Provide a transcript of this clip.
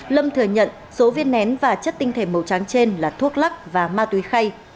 lâm thừa nhận số viên nén và chất tinh thể màu trắng trên là thuốc lắc và ma túy khay